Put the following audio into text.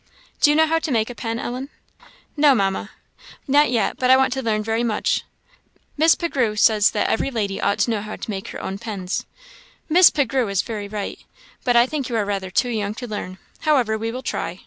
"Do you know how to make a pen, Ellen?" "No, Mamma, not yet; but I want to learn very much. Miss Pichegru says that every lady ought to know how to make her own pens." "Miss Pichegru is very right; but I think you are rather too young to learn. However, we will try.